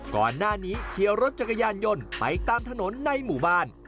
ก่อนหน้านี้เขียวรถจักรยานยนต์ไปตามถนนในหมู่บ้าน